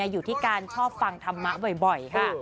อยู่ที่การชอบฟังธรรมะบ่อยค่ะ